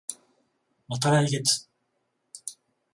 また来月